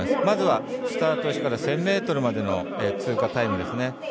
まずはスタート位置から１０００ｍまでの通過タイムですね。